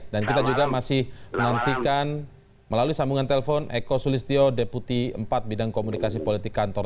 dan kita juga masih menantikan melalui sambungan telpon eko sulistyo deputi empat bidang komunikasi politik kantor